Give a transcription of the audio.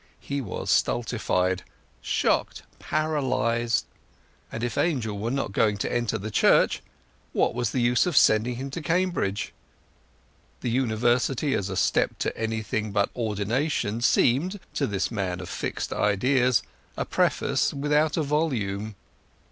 He was stultified, shocked, paralysed. And if Angel were not going to enter the Church, what was the use of sending him to Cambridge? The University as a step to anything but ordination seemed, to this man of fixed ideas, a preface without a volume.